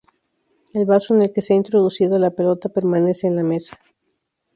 El vaso en el que se ha introducido la pelota permanece en la mesa.